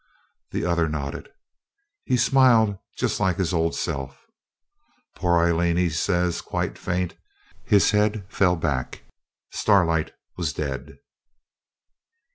The other nodded. He smiled just like his old self. 'Poor Aileen!' he says, quite faint. His head fell back. Starlight was dead!